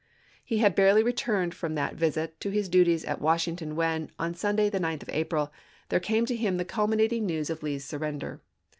He had barely returned from that visit to his duties at Washington 1865. when, on Sunday, the 9th of April, there came to him the culminating news of Lee's surrender.